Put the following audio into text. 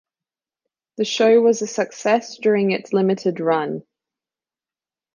The show was a success during its limited run.